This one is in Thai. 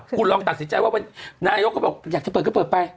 คุณลองตัดสินใจว่านายกก็บอกอยากจะเปิดก็เปิดไป